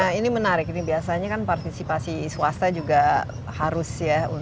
nah ini menarik biasanya kan partisipasi swasta juga harus